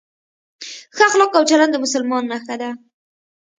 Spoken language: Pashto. ښه اخلاق او چلند د مسلمان نښه ده.